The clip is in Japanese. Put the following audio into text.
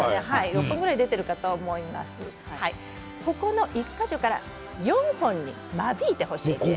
ここの１か所から４本に間引いてほしいんです。